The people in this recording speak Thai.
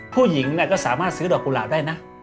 ผู้หญิงก็สามารถซื้อดอกกุหลาบได้นะ